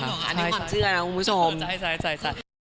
อันนี้ความเชื่อนะคุณผู้ชมใช่